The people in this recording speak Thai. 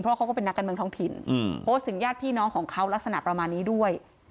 เพราะเขาก็เป็นนักการเมืองท้องถิ่นโพสต์ถึงญาติพี่น้องของเขาลักษณะประมาณนี้ด้วย